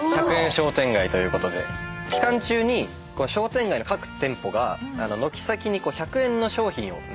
期間中に商店街の各店舗が軒先に１００円の商品を並べて。